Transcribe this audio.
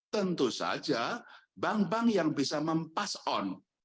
tentu saja bank bank yang bisa mempass on